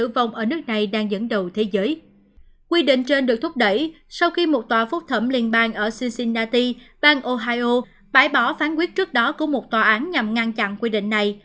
ban ohio bãi bỏ phán quyết trước đó của một tòa án nhằm ngăn chặn quy định này